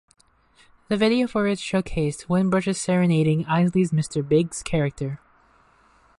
The video for it showcased Winbush serenading Isley's Mr. Biggs character.